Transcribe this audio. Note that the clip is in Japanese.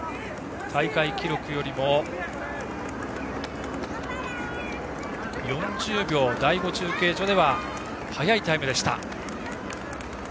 大会記録よりも４０秒第５中継所では速いタイムでした。